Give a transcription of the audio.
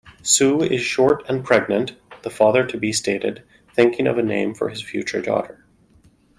"Sue is short and pregnant", the father-to-be stated, thinking of a name for his future daughter.